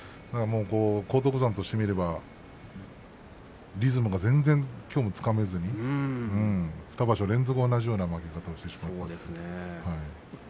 荒篤山としてみればリズムが全然きょうもつかめずに２場所連続、同じような負け方をしてしまいましたね。